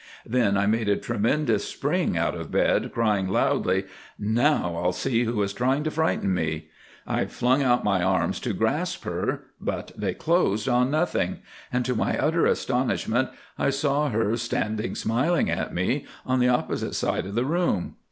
Then I made a tremendous spring out of bed, crying loudly, 'Now I'll see who is trying to frighten me.' I flung out my arms to grasp her, but they closed on nothing, and to my utter astonishment I saw her standing smiling at me on the opposite side of the room.